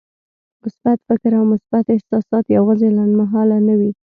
مثبت فکر او مثبت احساسات يوازې لنډمهاله نه وي.